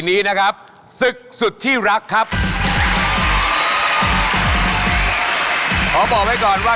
มีอายุขึ้นไปก็รึเปริจใช่ไหม